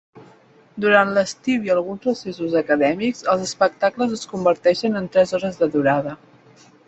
Durant l'estiu i alguns recessos acadèmics, els espectacles es converteixen en tres hores de durada.